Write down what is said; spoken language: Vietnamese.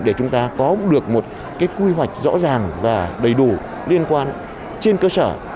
để chúng ta có được một quy hoạch rõ ràng và đầy đủ liên quan trên cơ sở